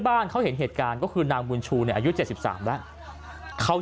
บ้านเขาเห็นเหตุการณ์ก็คือนางบุญชูเนี่ยอายุ๗๓แล้วเขา